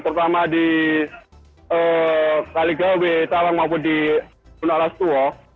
terutama di kaligawe talang maupun di gunaklas tua